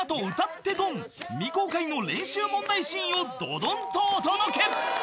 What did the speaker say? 未公開の練習問題シーンをドドンとお届け！］